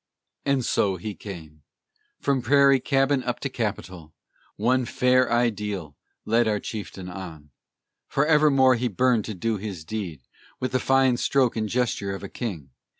And so he came. From prairie cabin up to Capitol, One fair Ideal led our chieftain on. Forevermore he burned to do his deed With the fine stroke and gesture of a king.